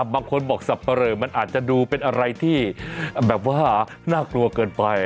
บางคนบอกสับปะเหลอมันอาจจะดูเป็นอะไรที่แบบว่าน่ากลัวเกินไป